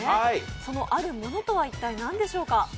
そのあるものとは一体、何でしょうか？